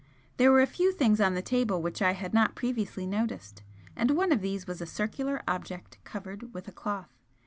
There were a few things on the table which I had not previously noticed, and one of these was a circular object covered with a cloth.